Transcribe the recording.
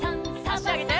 あしあげて。